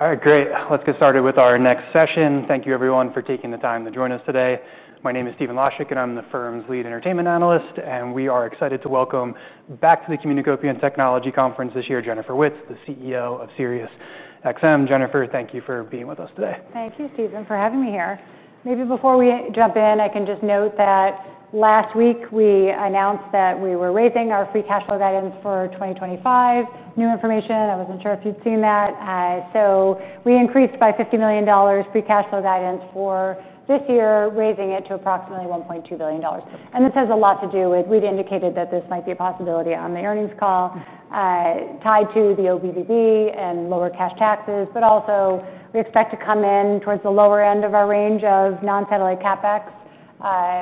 All right, great. Let's get started with our next session. Thank you, everyone, for taking the time to join us today. My name is Stephen Laszczyk, and I'm the firm's Lead Entertainment Analyst. We are excited to welcome back to the Communacopia Technology Conference this year Jennifer Witz, the CEO of SiriusXM. Jennifer, thank you for being with us today. Thank you, Stephen, for having me here. Maybe before we jump in, I can just note that last week we announced that we were raising our free cash flow guidance for 2025. New information. I wasn't sure if you'd seen that. We increased by $50 million free cash flow guidance for this year, raising it to approximately $1.2 billion. This has a lot to do with we'd indicated that this might be a possibility on the earnings call tied to the OBVB and lower cash taxes. We also expect to come in towards the lower end of our range of non-satellite CapEx,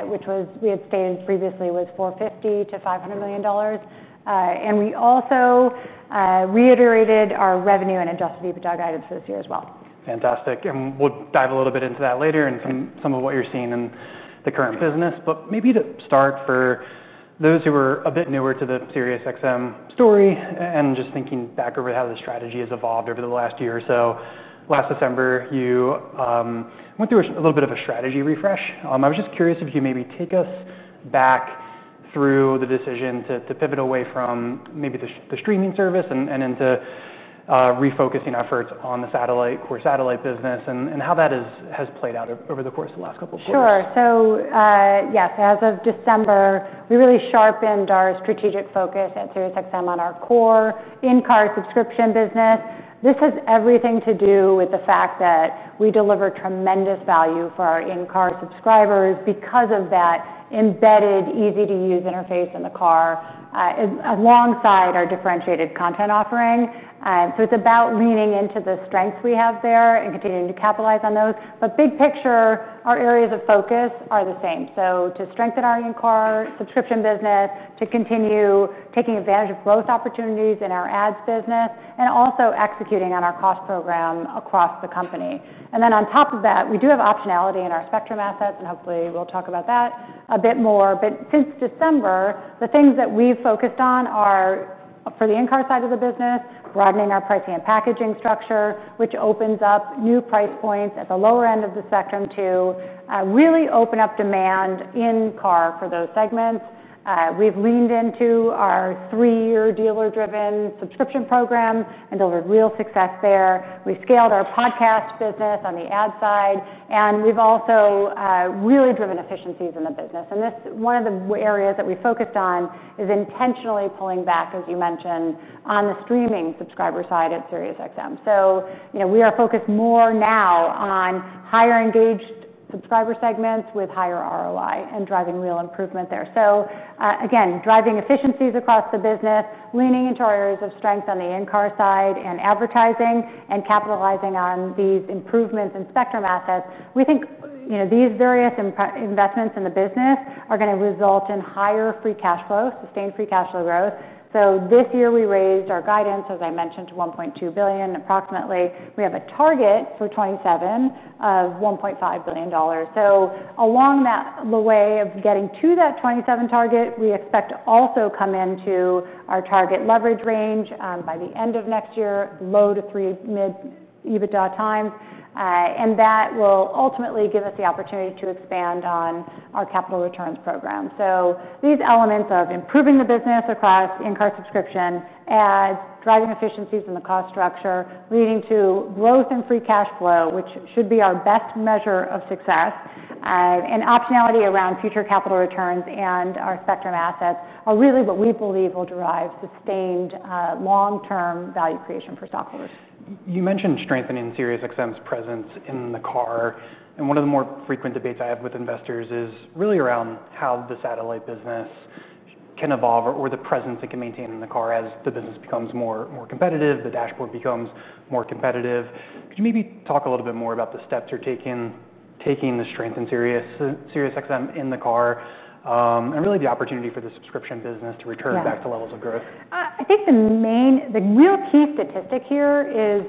which we had stated previously was $450 million-$500 million. We also reiterated our revenue and adjusted EBITDA guidance this year as well. Fantastic. We'll dive a little bit into that later and some of what you're seeing in the current business. Maybe to start, for those who are a bit newer to SiriusXM story and just thinking back over how the strategy has evolved over the last year or so, last December, you went through a little bit of a strategy refresh. I was just curious if you could maybe take us back through the decision to pivot away from maybe the streaming service and into refocusing efforts on the core satellite business and how that has played out over the course of the last couple of years. Sure. Yes, as of December, we really sharpened our strategic focus at SiriusXM on our core in-car subscription business. This has everything to do with the fact that we deliver tremendous value for our in-car subscribers because of that embedded, easy-to-use interface in the car alongside our differentiated content offering. It is about leaning into the strengths we have there and continuing to capitalize on those. Big picture, our areas of focus are the same: to strengthen our in-car subscription business, to continue taking advantage of growth opportunities in our ads business, and also executing on our cost program across the company. On top of that, we do have optionality in our Spectrum assets, and hopefully we'll talk about that a bit more. Since December, the things that we've focused on are, for the in-car side of the business, broadening our pricing and packaging structure, which opens up new price points at the lower end of the spectrum to really open up demand in-car for those segments. We've leaned into our three-year dealer-driven subscription program and delivered real success there. We scaled our podcast business on the ad side, and we've also really driven efficiencies in the business. One of the areas that we focused on is intentionally pulling back, as you mentioned, on the streaming subscriber side SiriusXM. We are focused more now on higher engaged subscriber segments with higher ROI and driving real improvement there. Again, driving efficiencies across the business, leaning into our areas of strength on the in-car side and advertising, and capitalizing on these improvements in Spectrum assets. We think these various investments in the business are going to result in higher free cash flow, sustained free cash flow growth. This year we raised our guidance, as I mentioned, to approximately $1.2 billion. We have a target for 2027 of $1.5 billion. Along the way of getting to that 2027 target, we expect to also come into our target leverage range by the end of next year, low to three mid-EBITDA times. That will ultimately give us the opportunity to expand on our capital returns program. These elements of improving the business across in-car subscription, ads, driving efficiencies in the cost structure, leading to growth in free cash flow, which should be our best measure of success, and optionality around future capital returns and our Spectrum assets are really what we believe will drive sustained long-term value creation for stockholders. You mentioned SiriusXM's presence in the car. One of the more frequent debates I have with investors is really around how the satellite business can evolve or the presence it can maintain in the car as the business becomes more competitive, the dashboard becomes more competitive. Could you maybe talk a little bit more about the steps you're taking to SiriusXM in the car and really the opportunity for the subscription business to return back to levels of growth? I think the real key statistic here is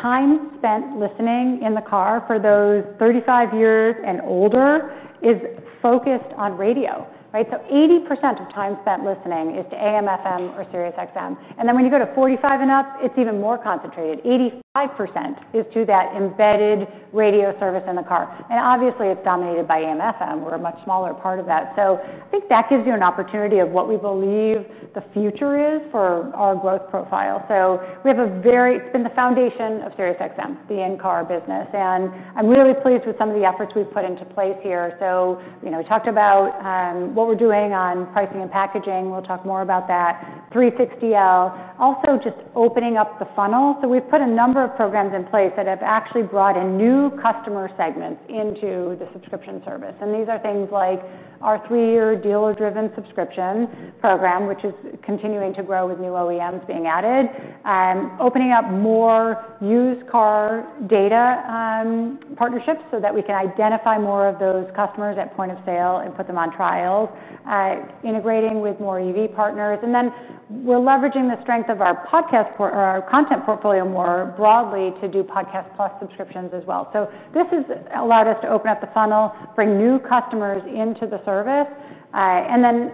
time spent listening in the car for those 35 years and older is focused on radio. 80% of time spent listening is to AM/FM SiriusXM. When you go to 45 and up, it's even more concentrated. 85% is to that embedded radio service in the car. Obviously, it's dominated by AM/FM. We're a much smaller part of that. I think that gives you an opportunity of what we believe the future is for our growth profile. We have a very, it's been the foundation SiriusXM, the in-car business. I'm really pleased with some of the efforts we've put into place here. We talked about what we're doing on pricing and packaging. We'll talk more about that. 360L. Also, just opening up the funnel. We've put a number of programs in place that have actually brought in new customer segments into the subscription service. These are things like our three-year dealer-driven subscription program, which is continuing to grow with new OEMs being added, opening up more used car data partnerships so that we can identify more of those customers at point of sale and put them on trials, integrating with more EV partners. We're leveraging the strength of our content portfolio more broadly to do Podcasts+ subscriptions as well. This has allowed us to open up the funnel, bring new customers into the service.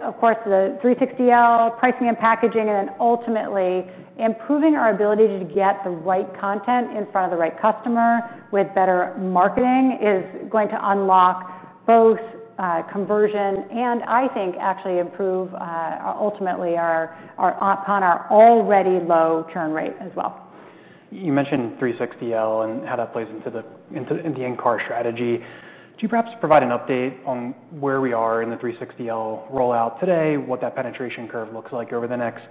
Of course, the 360L pricing and packaging, and ultimately improving our ability to get the right content in front of the right customer with better marketing is going to unlock both conversion and, I think, actually improve ultimately upon our already low churn rate as well. You mentioned 360L and how that plays into the in-car strategy. Could you perhaps provide an update on where we are in the 360L rollout today, what that penetration curve looks like over the next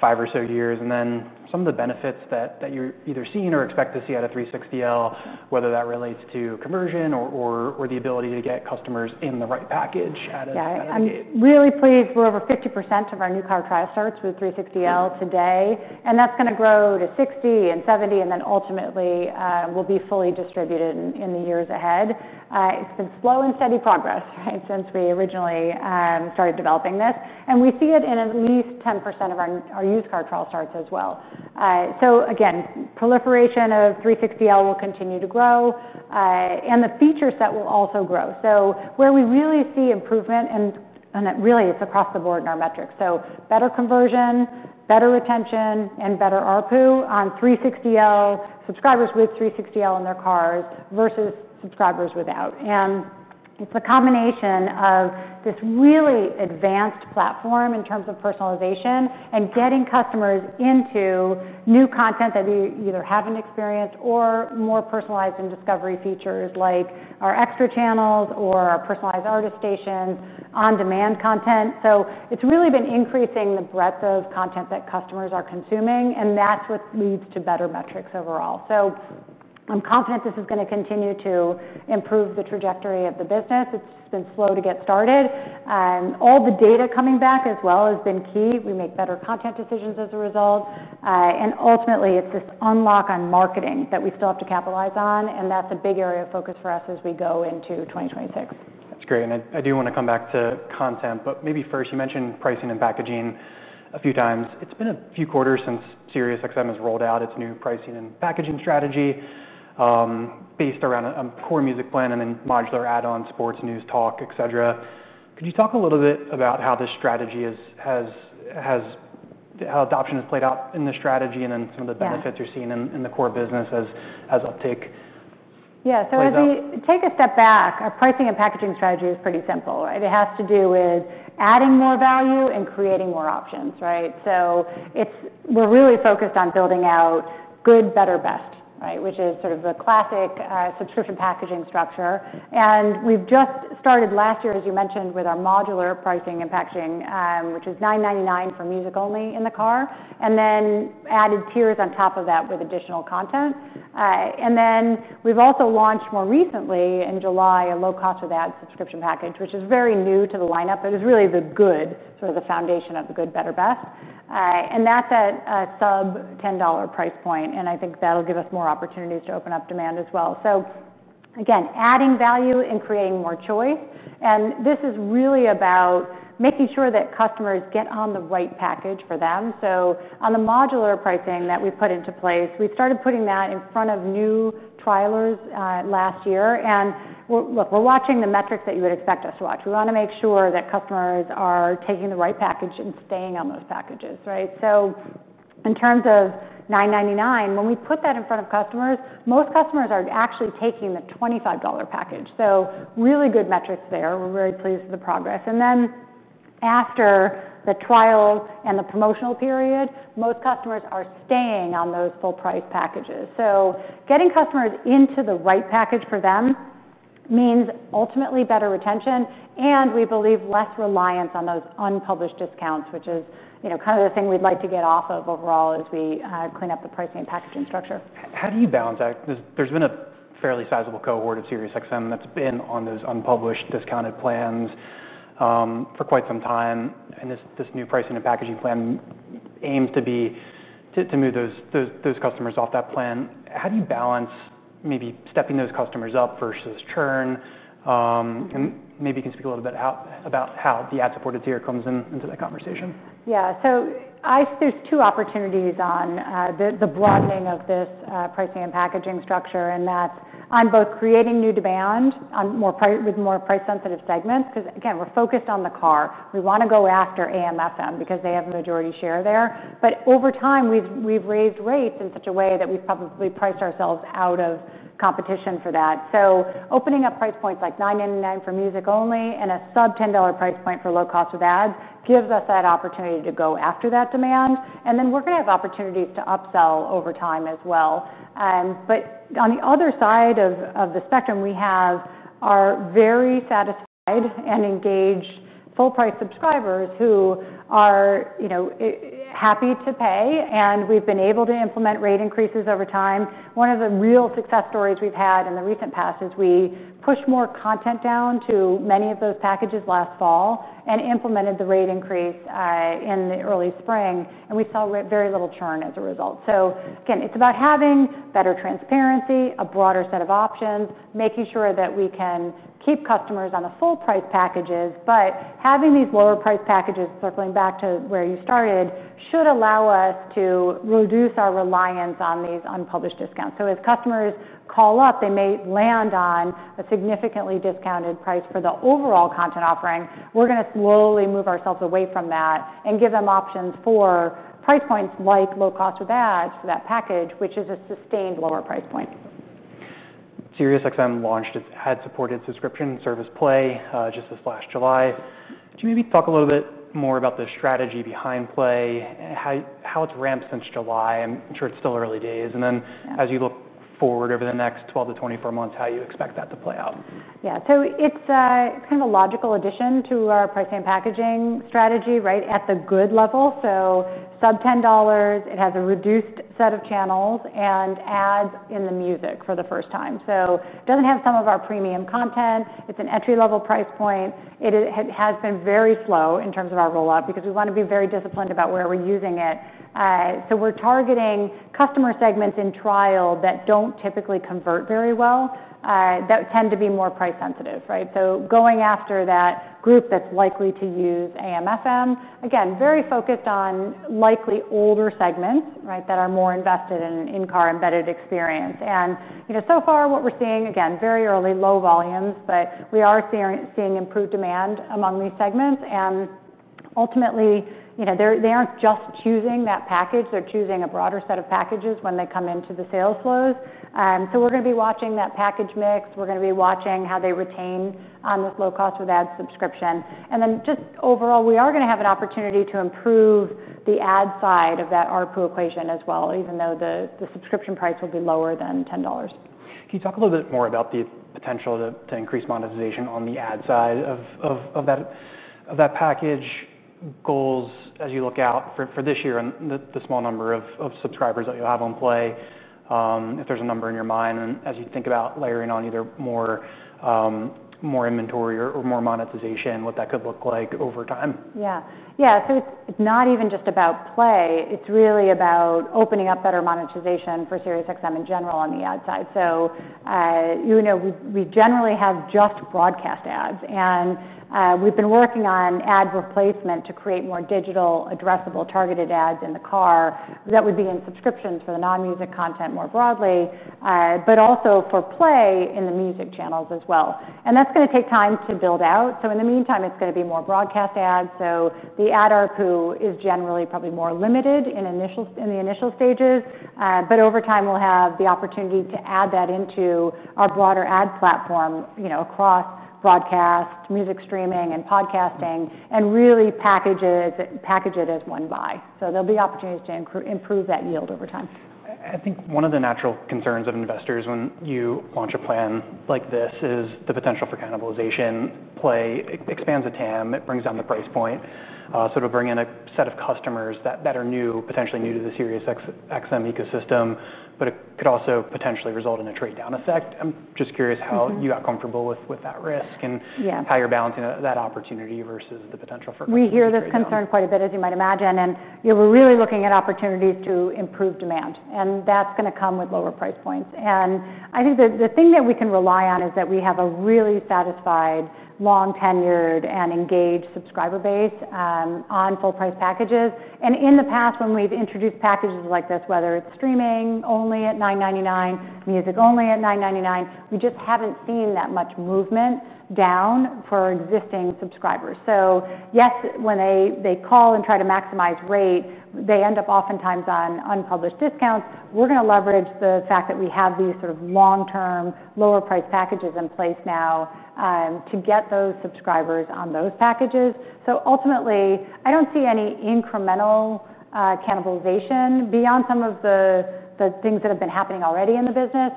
five or so years, and then some of the benefits that you're either seeing or expect to see out of 360L, whether that relates to conversion or the ability to get customers in the right package? Yeah, I'm really pleased. We're over 50% of our new car trial starts with 360L today. That's going to grow to 60% and 70%, and then ultimately will be fully distributed in the years ahead. It's been slow and steady progress since we originally started developing this. We see it in at least 10% of our used car trial starts as well. Again, proliferation of 360L will continue to grow, and the feature set will also grow. Where we really see improvement, it's across the board in our metrics: better conversion, better retention, and better ARPU on 360L subscribers with 360L in their cars versus subscribers without. It's a combination of this really advanced platform in terms of personalization and getting customers into new content that they either haven't experienced or more personalized in discovery features like our extra channels or our personalized artist station, on-demand content. It's really been increasing the breadth of content that customers are consuming, and that's what leads to better metrics overall. I'm confident this is going to continue to improve the trajectory of the business. It's just been slow to get started. All the data coming back as well has been key. We make better content decisions as a result. Ultimately, it's this unlock on marketing that we still have to capitalize on. That's a big area of focus for us as we go into 2026. That's great. I do want to come back to content. Maybe first, you mentioned pricing and packaging a few times. It's been a few quarters SiriusXM has rolled out its new pricing and packaging strategy based around a core music plan and then modular add-ons, sports, news, talk, et cetera. Could you talk a little bit about how this strategy has, how adoption has played out in the strategy, and then some of the benefits you're seeing in the core business as uptake? Yeah, as we take a step back, our pricing and packaging strategy is pretty simple. It has to do with adding more value and creating more options. We're really focused on building out good, better, best, which is sort of the classic subscription packaging structure. We just started last year, as you mentioned, with our modular pricing and packaging, which is $9.99 for music only in the car, and then added tiers on top of that with additional content. We've also launched more recently in July a low-cost ad subscription package, which is very new to the lineup, but it was really the good, sort of the foundation of the good, better, best. That's at a sub-$10 price point. I think that'll give us more opportunities to open up demand as well. Again, adding value and creating more choice. This is really about making sure that customers get on the right package for them. On the modular pricing that we put into place, we started putting that in front of new trialers last year. We're watching the metrics that you would expect us to watch. We want to make sure that customers are taking the right package and staying on those packages. In terms of $9.99, when we put that in front of customers, most customers are actually taking the $25 package. Really good metrics there. We're very pleased with the progress. After the trial and the promotional period, most customers are staying on those full-price packages. Getting customers into the right package for them means ultimately better retention and we believe less reliance on those unpublished discounts, which is kind of the thing we'd like to get off of overall as we clean up the pricing and packaging structure. How do you balance that? There's been a fairly sizable cohort SiriusXM that's been on those unpublished discounted plans for quite some time. This new pricing and packaging plan aims to move those customers off that plan. How do you balance maybe stepping those customers up versus churn? Maybe you can speak a little bit about how the ad-supported tier comes into that conversation. Yeah, so there's two opportunities on the broadening of this pricing and packaging structure. That's on both creating new demand with more price-sensitive segments, because again, we're focused on the car. We want to go after AM/FM because they have a majority share there. Over time, we've raised rates in such a way that we've probably priced ourselves out of competition for that. Opening up price points like $9.99 for music only and a sub-$10 price point for low-cost of ads gives us that opportunity to go after that demand. We're going to have opportunities to upsell over time as well. On the other side of the spectrum, we have our very satisfied and engaged full-price subscribers who are happy to pay. We've been able to implement rate increases over time. One of the real success stories we've had in the recent past is we pushed more content down to many of those packages last fall and implemented the rate increase in the early spring. We saw very little churn as a result. It's about having better transparency, a broader set of options, making sure that we can keep customers on the full-price packages. Having these lower-price packages, circling back to where you started, should allow us to reduce our reliance on these unpublished discounts. If customers call up, they may land on a significantly discounted price for the overall content offering. We're going to slowly move ourselves away from that and give them options for price points like low-cost of ads, that package, which is a sustained lower price point. SiriusXM launched its ad-supported subscription service, Play, just this last July. Could you maybe talk a little bit more about the strategy behind Play and how it's ramped since July? I'm sure it's still early days. As you look forward over the next 12-24 months, how do you expect that to play out? Yeah, so it's kind of a logical addition to our pricing and packaging strategy right at the good level. Sub $10. It has a reduced set of channels and ads in the music for the first time. It doesn't have some of our premium content. It's an entry-level price point. It has been very slow in terms of our rollout because we want to be very disciplined about where we're using it. We're targeting customer segments in trial that don't typically convert very well, that tend to be more price-sensitive. Going after that group that's likely to use AM/FM, again, very focused on likely older segments that are more invested in an in-car embedded experience. So far, what we're seeing, again, very early low volumes, but we are seeing improved demand among these segments. Ultimately, they aren't just choosing that package. They're choosing a broader set of packages when they come into the sales flows. We're going to be watching that package mix. We're going to be watching how they retain on this low-cost ad subscription. Overall, we are going to have an opportunity to improve the ad side of that ARPU equation as well, even though the subscription price will be lower than $10. Can you talk a little bit more about the potential to increase monetization on the ad side of that package goals as you look out for this year and the small number of subscribers that you'll have on Play? If there's a number in your mind, and as you think about layering on either more inventory or more monetization, what that could look like over time. Yeah, yeah, it's not even just about Play. It's really about opening up better monetization SiriusXM in general on the ad side. We generally have just broadcast ads, and we've been working on ad replacement to create more digital, addressable, targeted ads in the car that would be in subscriptions for the non-music content more broadly, but also for Play in the music channels as well. That's going to take time to build out. In the meantime, it's going to be more broadcast ads. The ad ARPU is generally probably more limited in the initial stages. Over time, we'll have the opportunity to add that into our broader ad platform across broadcast, music streaming, and podcasting and really package it as one buy. There'll be opportunities to improve that yield over time. I think one of the natural concerns of investors when you launch a plan like this is the potential for cannibalization. Play expands a TAM. It brings down the price point to bring in a set of customers that are potentially new to SiriusXM ecosystem, but it could also potentially result in a trade-down effect. I'm just curious how you got comfortable with that risk and how you're balancing that opportunity versus the potential for cannibalization. We hear this concern quite a bit, as you might imagine. We're really looking at opportunity to improve demand, and that's going to come with lower price points. I think the thing that we can rely on is that we have a really satisfied, long-tenured, and engaged subscriber base on full-price packages. In the past, when we've introduced packages like this, whether it's streaming-only at $9.99, music-only at $9.99, we just haven't seen that much movement down for existing subscribers. Yes, when they call and try to maximize rate, they end up oftentimes on unpublished discounts. We're going to leverage the fact that we have these sort of long-term, lower-priced packages in place now to get those subscribers on those packages. Ultimately, I don't see any incremental cannibalization beyond some of the things that have been happening already in the business.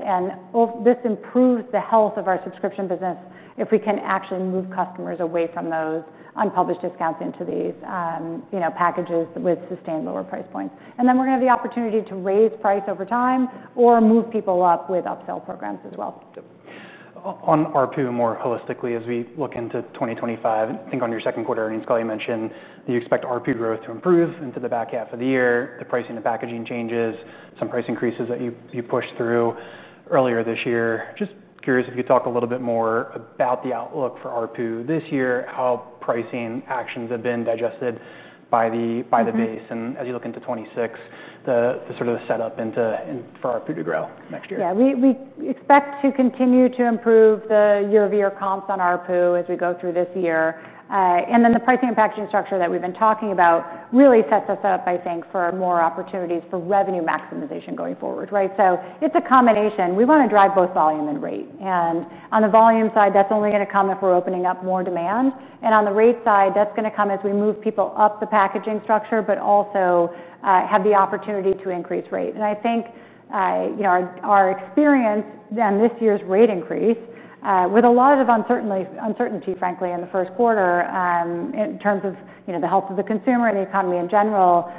This improves the health of our subscription business if we can actually move customers away from those unpublished discounts into these packages with sustained lower price points. We're going to have the opportunity to raise price over time or move people up with upsell programs as well. On ARPU more holistically, as we look into 2025, I think on your second quarter earnings call, you mentioned that you expect ARPU growth to improve into the back half of the year, the pricing and packaging changes, some price increases that you pushed through earlier this year. Just curious if you could talk a little bit more about the outlook for ARPU this year, how pricing actions have been digested by the base, and as you look into 2026, the sort of setup for ARPU to grow next year. Yeah, we expect to continue to improve the year-over-year comps on ARPU as we go through this year. The pricing and packaging structure that we've been talking about really sets us up, I think, for more opportunities for revenue maximization going forward. It's a combination. We want to drive both volume and rate. On the volume side, that's only going to come if we're opening up more demand. On the rate side, that's going to come as we move people up the packaging structure, but also have the opportunity to increase rate. I think our experience and this year's rate increase, with a lot of uncertainty, frankly, in the first quarter in terms of the health of the consumer and the economy in general,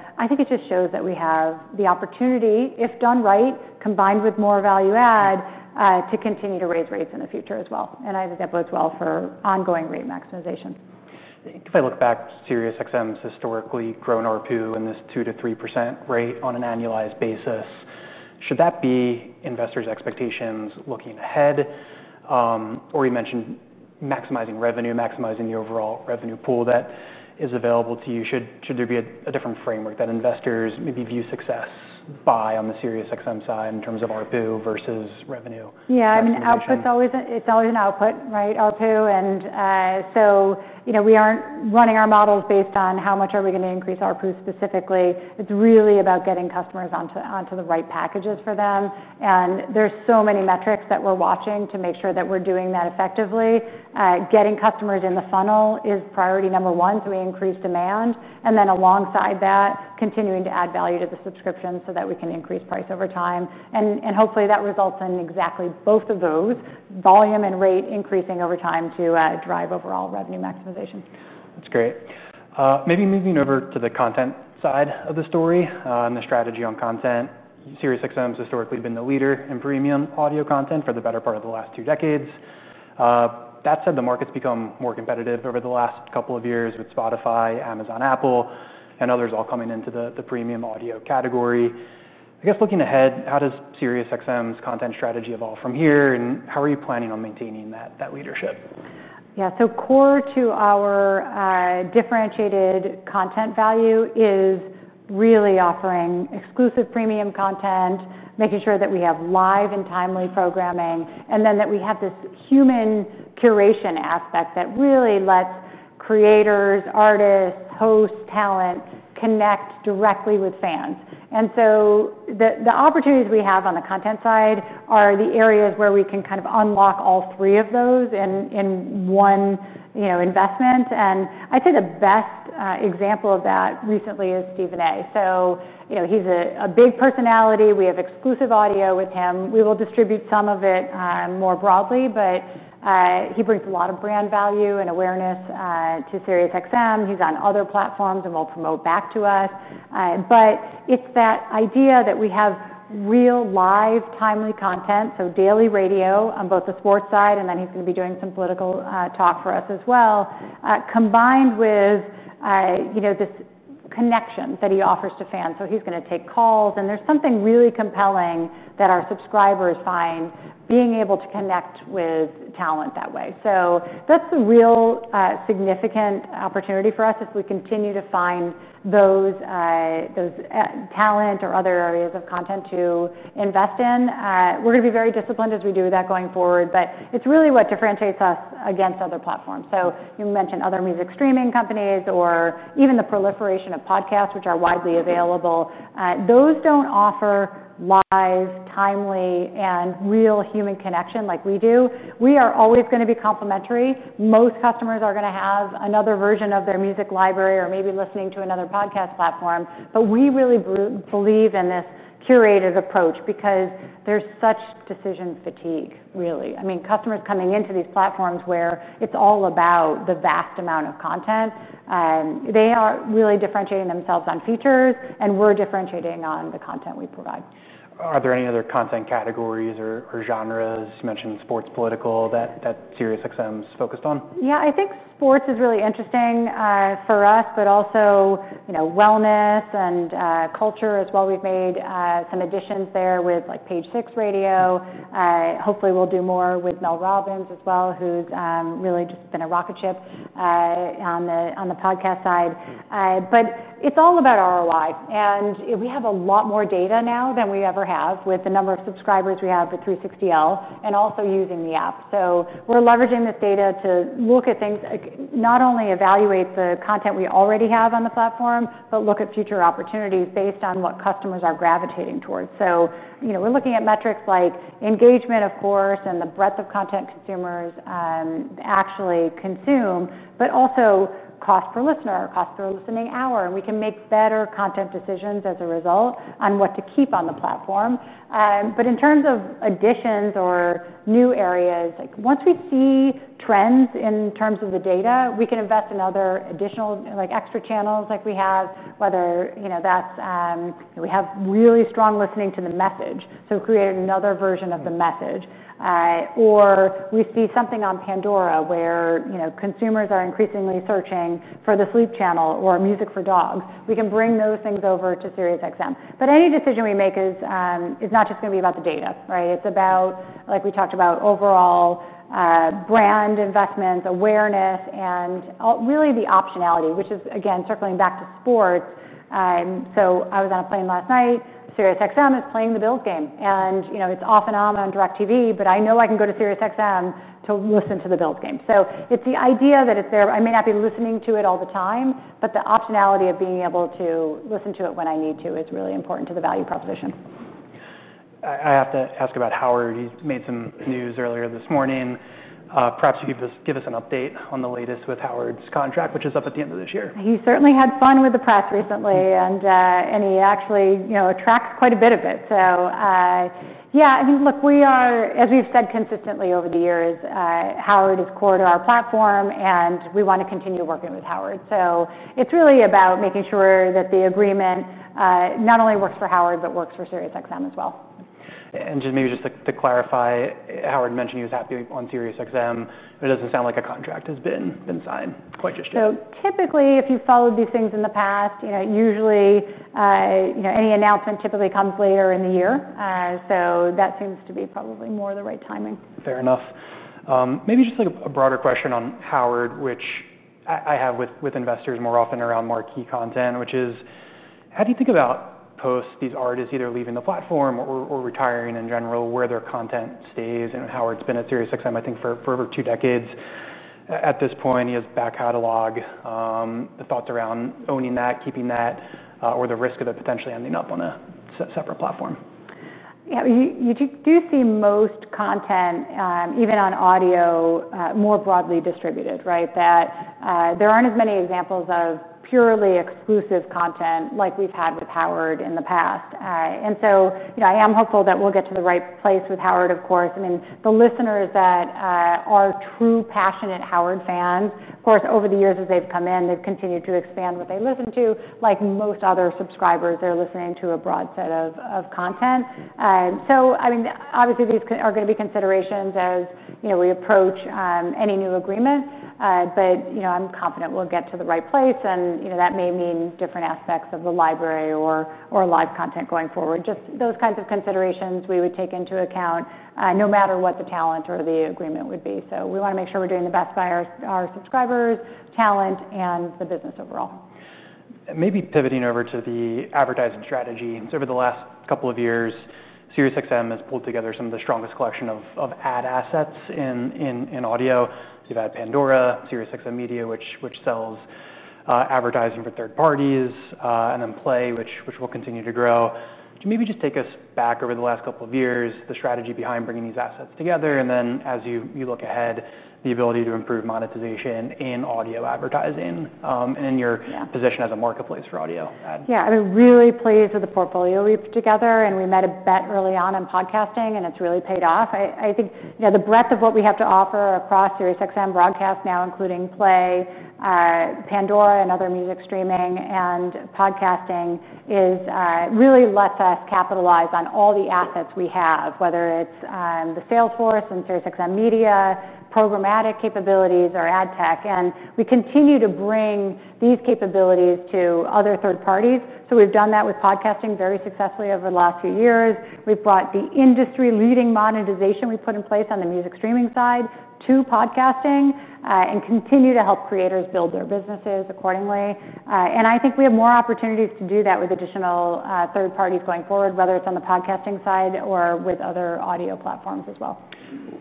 just shows that we have the opportunity, if done right, combined with more value add, to continue to raise rates in the future as well. I think that bodes well for ongoing rate maximization. If I look back SiriusXM's historically grown ARPU in this 2%-3% rate on an annualized basis, should that be investors' expectations looking ahead? You mentioned maximizing revenue, maximizing the overall revenue pool that is available to you. Should there be a different framework that investors maybe view success by on SiriusXM side in terms of ARPU versus revenue? Yeah, I mean, it's always an output, right, ARPU. We aren't running our models based on how much are we going to increase ARPU specifically. It's really about getting customers onto the right packages for them. There are so many metrics that we're watching to make sure that we're doing that effectively. Getting customers in the funnel is priority number one, so we increase demand. Alongside that, continuing to add value to the subscription so that we can increase price over time. Hopefully, that results in exactly both of those, volume and rate increasing over time to drive overall revenue maximization. That's great. Maybe moving over to the content side of the story and the strategy on SiriusXM's historically been the leader in premium audio content for the better part of the last two decades. That said, the market's become more competitive over the last couple of years with Spotify, Amazon, Apple, and others all coming into the premium audio category. I guess looking ahead, how SiriusXM's content strategy evolve from here? How are you planning on maintaining that leadership? Yeah, core to our differentiated content value is really offering exclusive premium content, making sure that we have live and timely programming, and that we have this human curation aspect that really lets creators, artists, hosts, talent connect directly with fans. The opportunities we have on the content side are the areas where we can unlock all three of those in one investment. I'd say the best example of that recently is Stephen A. He's a big personality. We have exclusive audio with him. We will distribute some of it more broadly. He brings a lot of brand value and awareness to SiriusXM. He's on other platforms and will promote back to us. It's that idea that we have real live, timely content, daily radio on both the sports side, and then he's going to be doing some political talk for us as well, combined with this connection that he offers to fans. He's going to take calls. There's something really compelling that our subscribers find being able to connect with talent that way. That's the real significant opportunity for us if we continue to find those talent or other areas of content to invest in. We're going to be very disciplined as we do that going forward. It's really what differentiates us against other platforms. You mentioned other music streaming companies or even the proliferation of podcasts, which are widely available. Those don't offer live, timely, and real human connection like we do. We are always going to be complementary. Most customers are going to have another version of their music library or maybe listening to another podcast platform. We really believe in the curative approach because there's such decision fatigue. Customers coming into these platforms where it's all about the vast amount of content aren't really differentiating themselves on features, and we're differentiating on the content we provide. Are there any other content categories or genres? You mentioned sports, political, SiriusXM's focused on. Yeah, I think sports is really interesting for us, but also wellness and culture as well. We've made some additions there with like Page Six Radio. Hopefully, we'll do more with Mel Robbins as well, who's really just been a rocket ship on the podcast side. It's all about ROI. We have a lot more data now than we ever have with the number of subscribers we have with 360L and also using the app. We're leveraging this data to look at things, not only evaluate the content we already have on the platform, but look at future opportunities based on what customers are gravitating towards. We're looking at metrics like engagement, of course, and the breadth of content consumers actually consume, but also cost per listener or cost per listening hour. We can make better content decisions as a result on what to keep on the platform. In terms of additions or new areas, once we see trends in terms of the data, we can invest in other additional extra channels like we have, whether that's we have really strong listening to The Message, so we've created another version of The Message. Or we see something on Pandora where consumers are increasingly searching for the sleep channel or music for dogs. We can bring those things over SiriusXM. Any decision we make is not just going to be about the data. It's about, like we talked about, overall brand investments, awareness, and really the optionality, which is, again, circling back to sports. I was on a plane last SiriusXM is playing the Bills game. It's off and on on DIRECTV, but I know I can go SiriusXM to listen to the Bills game. It's the idea that it's there. I may not be listening to it all the time, but the optionality of being able to listen to it when I need to is really important to the value proposition. I have to ask about Howard. He made some news earlier this morning. Perhaps you could give us an update on the latest with Howard's contract, which is up at the end of this year. He certainly had fun with the press recently. He actually tracks quite a bit of it. Yeah, I mean, look, we are, as we've said consistently over the years, Howard is core to our platform. We want to continue to work with Howard. It's really about making sure that the agreement not only works for Howard, but works SiriusXM as well. Just to clarify, Howard mentioned he was happy SiriusXM, but it doesn't sound like a contract has been signed quite just yet. Typically, if you followed these things in the past, usually any announcement typically comes later in the year. That seems to be probably more the right timing. Fair enough. Maybe just like a broader question on Howard, which I have with investors more often around marquee content, which is, how do you think about post these artists either leaving the platform or retiring in general, where their content stays? Howard's been SiriusXM, I think, for over two decades. At this point, he has a back catalog. The thoughts around owning that, keeping that, or the risk of it potentially ending up on a separate platform? Yeah, you do see most content, even on audio, more broadly distributed, right? There aren't as many examples of purely exclusive content like we've had with Howard in the past. I am hopeful that we'll get to the right place with Howard, of course. The listeners that are true passionate Howard fans, of course, over the years as they've come in, they've continued to expand what they listen to. Like most other subscribers, they're listening to a broad set of content. Obviously, these are going to be considerations as we approach any new agreement. I'm confident we'll get to the right place. That may mean different aspects of the library or live content going forward. Just those kinds of considerations we would take into account no matter what the talent or the agreement would be. We want to make sure we're doing the best by our subscribers, talent, and the business overall. Maybe pivoting over to the advertising strategy. Over the last couple of SiriusXM has pulled together some of the strongest collection of ad assets in audio. You've had Pandora, SiriusXM Media, which sells advertising for third parties, and then Play, which will continue to grow. Could you maybe just take us back over the last couple of years, the strategy behind bringing these assets together, and then as you look ahead, the ability to improve monetization in audio advertising and in your position as a marketplace for audio? Yeah, I'm really pleased with the portfolio we put together. We made a bet early on in podcasting, and it's really paid off. I think the breadth of what we have to offer SiriusXM broadcast now, including Play, Pandora, and other music streaming and podcasting, has really let us capitalize on all the assets we have, whether it's the Salesforce SiriusXM Media, programmatic capabilities, or ad tech. We continue to bring these capabilities to other third parties. We've done that with podcasting very successfully over the last few years. We've brought the industry-leading monetization we put in place on the music streaming side to podcasting and continue to help creators build their businesses accordingly. I think we have more opportunities to do that with additional third parties going forward, whether it's on the podcasting side or with other audio platforms as well.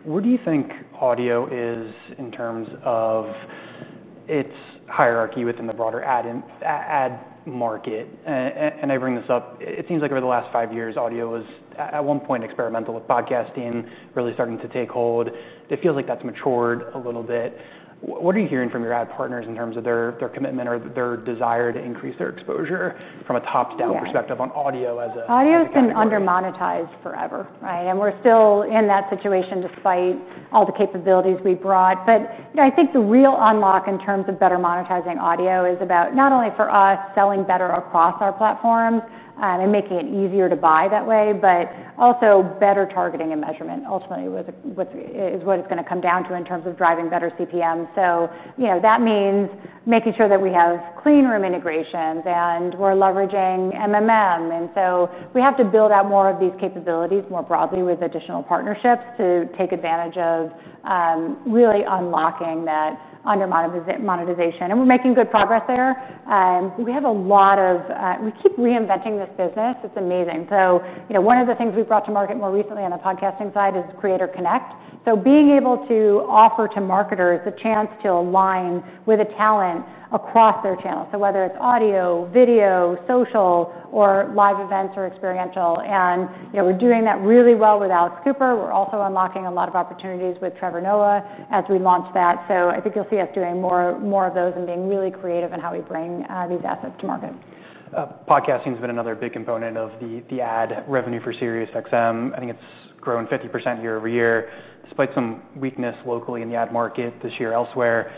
Where do you think audio is in terms of its hierarchy within the broader ad market? I bring this up. It seems like over the last five years, audio was at one point experimental with podcasting really starting to take hold. It feels like that's matured a little bit. What are you hearing from your ad partners in terms of their commitment or their desire to increase their exposure from a top-down perspective on audio as a? Audio's been undermonetized forever. We're still in that situation despite all the capabilities we brought. I think the real unlock in terms of better monetizing audio is about not only for us selling better across our platform and making it easier to buy that way, but also better targeting and measurement ultimately is what it's going to come down to in terms of driving better CPM. That means making sure that we have clean room integrations and we're leveraging. We have to build out more of these capabilities more broadly with additional partnerships to take advantage of really unlocking that under-monetization. We're making good progress there. We have a lot of—we keep reinventing this business. It's amazing. One of the things we brought to market more recently on the podcasting side is Creator Connect. Being able to offer to marketers the chance to align with a talent across their channel, whether it's audio, video, social, or live events or experiential. We're doing that really well [without Scooper]. We're also unlocking a lot of opportunities with Trevor Noah as we launch that. I think you'll see us doing more of those and being really creative in how we bring these assets to market. Podcasting has been another big component of the ad revenue SiriusXM. I think it's grown 50% year-over-year despite some weakness locally in the ad market this year elsewhere.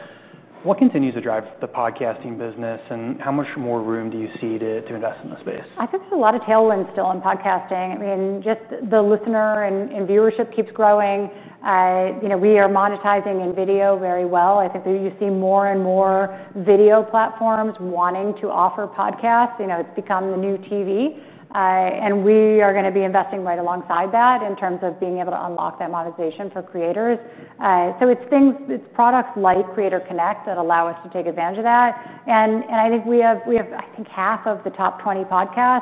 What continues to drive the podcasting business? How much more room do you see to invest in this space? I think there's a lot of tailwinds still in podcasting. I mean, just the listener and viewership keeps growing. We are monetizing in video very well. I think you see more and more video platforms wanting to offer podcasts. It's become the new TV. We are going to be investing right alongside that in terms of being able to unlock that monetization for creators. It's products like Creator Connect that allow us to take advantage of that. I think we have, I think, half of the top 20 podcasts.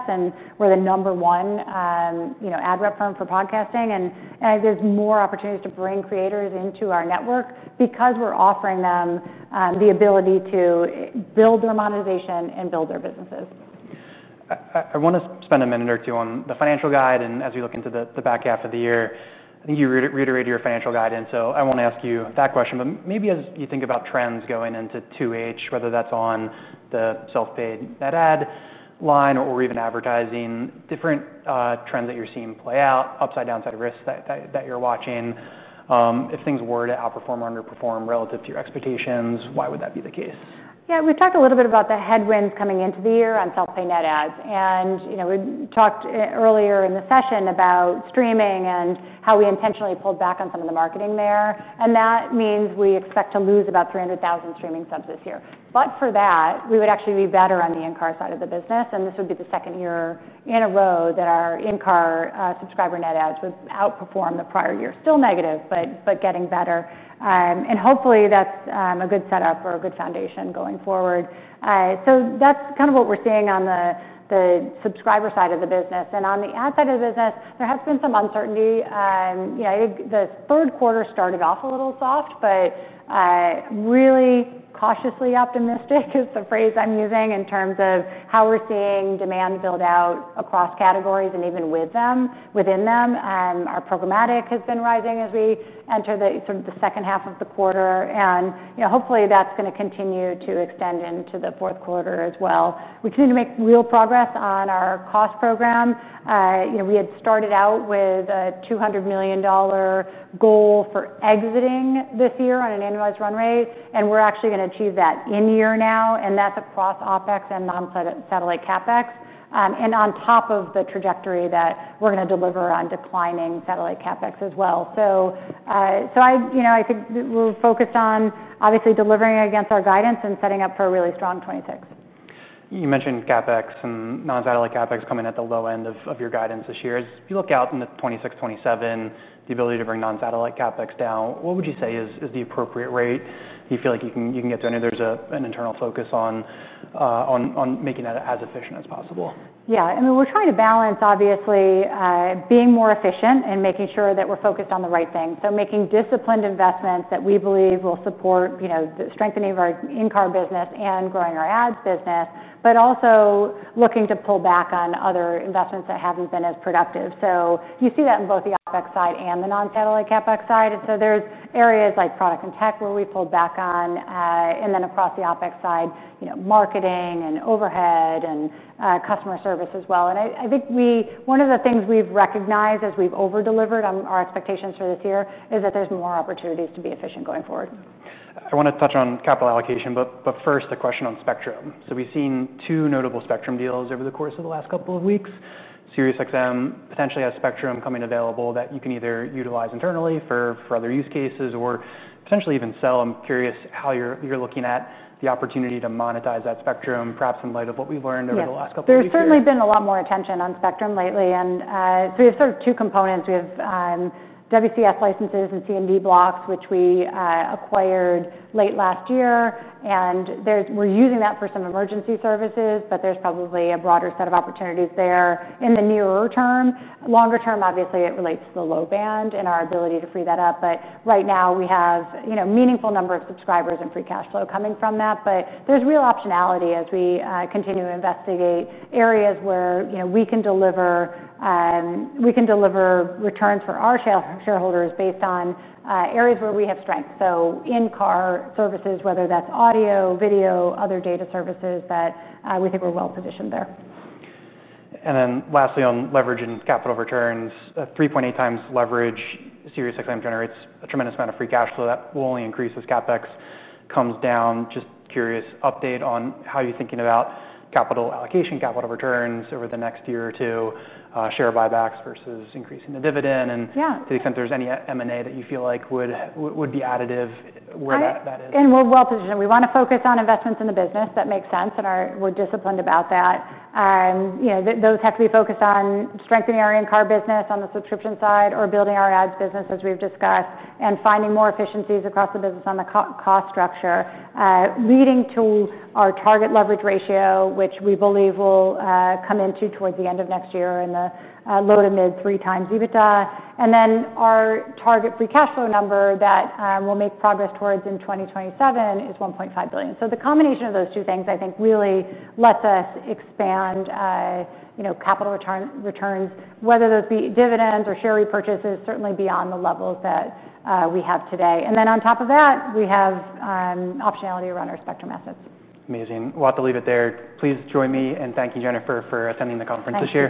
We're the number one ad rep firm for podcasting. There are more opportunities to bring creators into our network because we're offering them the ability to build their monetization and build their businesses. I want to spend a minute or two on the financial guide. As we look into the back half of the year, I think you reiterated your financial guide. I won't ask you that question, but maybe as you think about trends going into 2H, whether that's on the self-paid net ad line or even advertising, different trends that you're seeing play out, upside-downside risks that you're watching, if things were to outperform or underperform relative to your expectations, why would that be the case? Yeah, we've talked a little bit about the headwinds coming into the year on self-pay net ads. We talked earlier in the session about streaming and how we intentionally pulled back on some of the marketing there. That means we expect to lose about 300,000 streaming subs this year. For that, we would actually be better on the in-car side of the business. This would be the second year in a row that our in-car subscriber net ads would outperform the prior year, still negative, but getting better. Hopefully, that's a good setup or a good foundation going forward. That's kind of what we're seeing on the subscriber side of the business. On the ad side of the business, there has been some uncertainty. I think the third quarter started off a little soft, but really cautiously optimistic is the phrase I'm using in terms of how we're seeing demand build out across categories and even within them. Our programmatic has been rising as we enter the second half of the quarter. Hopefully, that's going to continue to extend into the fourth quarter as well. We continue to make real progress on our cost program. We had started out with a $200 million goal for exiting this year on an annualized run rate. We're actually going to achieve that in year now. That's across OpEx and non-satellite CapEx, and on top of the trajectory that we're going to deliver on declining satellite CapEx as well. I think we're focused on obviously delivering against our guidance and setting up for a really strong 2026. You mentioned CapEx and non-satellite CapEx coming at the low end of your guidance this year. As you look out in 2026, 2027, the ability to bring non-satellite CapEx down, what would you say is the appropriate rate you feel like you can get to? I know there's an internal focus on making that as efficient as possible. Yeah, I mean, we're trying to balance, obviously, being more efficient and making sure that we're focused on the right thing. Making disciplined investments that we believe will support the strengthening of our in-car business and growing our ads business, but also looking to pull back on other investments that haven't been as productive. You see that in both the OpEx side and the non-satellite CapEx side. There's areas like product and tech where we pulled back on, and then across the OpEx side, marketing and overhead and customer service as well. I think one of the things we've recognized as we've overdelivered on our expectations for this year is that there's more opportunities to be efficient going forward. I want to touch on capital allocation, but first, a question on Spectrum. We've seen two notable Spectrum deals over the course of the last couple of SiriusXM potentially has Spectrum coming available that you can either utilize internally for other use cases or potentially even sell. I'm curious how you're looking at the opportunity to monetize that Spectrum, perhaps in light of what we've learned over the last couple of years. There's certainly been a lot more attention on Spectrum lately. We have sort of two components. We have WCS licenses and CMD blocks, which we acquired late last year. We're using that for some emergency services, but there's probably a broader set of opportunities there in the nearer term. Longer term, obviously, it relates to the low band and our ability to free that up. Right now, we have a meaningful number of subscribers and free cash flow coming from that. There's real optionality as we continue to investigate areas where we can deliver returns for our shareholders based on areas where we have strength. In-car services, whether that's audio, video, or other data services, we think we're well positioned there. Lastly, on leveraging capital returns, 3.8x leverage SiriusXM generates a tremendous amount of free cash flow that will only increase as CapEx comes down. Just curious, update on how you're thinking about capital allocation, capital returns over the next year or two, share buybacks versus increasing the dividend. To the extent there's any M&A that you feel like would be additive, where that is. Again, we're well positioned. We want to focus on investments in the business that make sense and are disciplined about that. Those have to be focused on strengthening our in-car business on the subscription side or building our ads business, as we've discussed, and finding more efficiencies across the business on the cost structure, leading to our target leverage ratio, which we believe will come in towards the end of next year in the low to mid 3x EBITDA. Our target free cash flow number that we'll make progress towards in 2027 is $1.5 billion. The combination of those two things, I think, really lets us expand capital returns, whether those be dividends or share repurchases, certainly beyond the levels that we have today. On top of that, we have optionality around our Spectrum assets. Amazing. We'll have to leave it there. Please join me in thanking you, Jennifer, for attending the conference this year.